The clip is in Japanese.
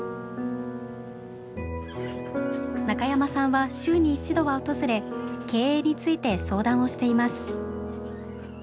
中山さんは週に１度は訪れ経営について相談をしています。